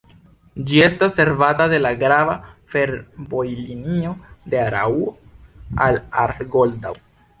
Ĝi estas servata de la grava fervojlinio de Araŭo al Arth-Goldau.